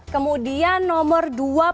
kemudian nomor dua puluh satu